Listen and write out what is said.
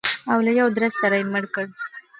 او له یوه ډزه سره یې مړ کړ.